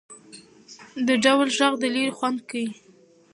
د ډول ږغ د ليري خوند کيي.